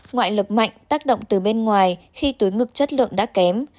ngoại lực mạnh tác động từ bên ngoài khi túi ngực chất lượng đã kém